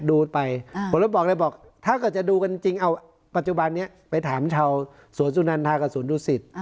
ดูไปผมเลยบอกถ้าเกิดจะดูกันจริงเอาปัจจุบันนี้ไปถามชาวสวทุนทากับสวทุนทุศิษฐ์